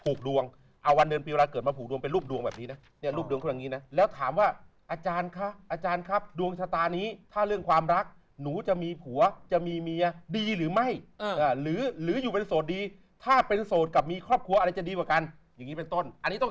ดวงเอาวันเดือนปีเวลาเกิดมาผูกดวงเป็นรูปดวงแบบนี้นะเนี่ยรูปดวงเขาอย่างนี้นะแล้วถามว่าอาจารย์คะอาจารย์ครับดวงชะตานี้ถ้าเรื่องความรักหนูจะมีผัวจะมีเมียดีหรือไม่หรืออยู่เป็นโสดดีถ้าเป็นโสดกับมีครอบครัวอะไรจะดีกว่ากันอย่างนี้เป็นต้นอันนี้ต้อง